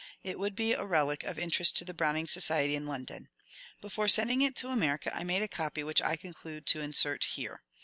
It would be a relic of interest to the Browning Society in London. Before sending it to America I made a copy which I conclude to insert here.